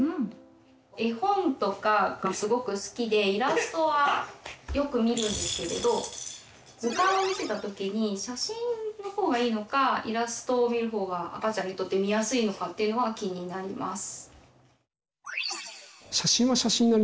絵本とかがすごく好きでイラストはよく見るんですけれど図鑑を見せた時に写真の方がいいのかイラストを見る方が赤ちゃんにとって見やすいのかっていうのが気になります。